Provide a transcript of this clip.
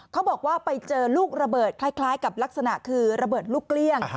เขาบอกว่าไปเจอลูกระเบิดคล้ายกับลักษณะคือระเบิดลูกเกลี้ยง